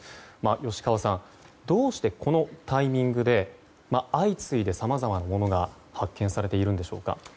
吉川さんどうしてこのタイミングで相次いでさまざまなものが発見されているんでしょうか？